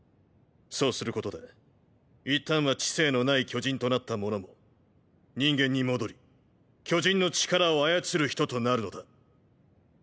そうすることで一旦は知性のない巨人となった者も人間に戻り「巨人の力を操る人」となるのだ。